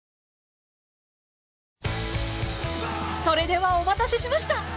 ［それではお待たせしました］